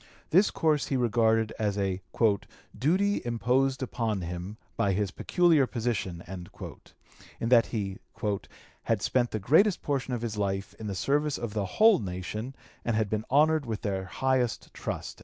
This course he regarded as a "duty imposed upon him by his peculiar position," in that he "had spent the greatest portion of his life in the service of the whole nation and had been honored with their highest trust."